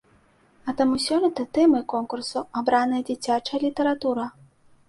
А таму сёлета тэмай конкурсу абраная дзіцячая літаратура.